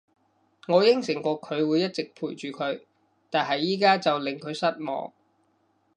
我應承過佢會一直陪住佢，但係而家就令佢失望